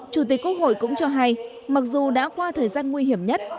chủ tịch quốc hội cũng cho hay mặc dù đã qua thời gian nguy hiểm nhất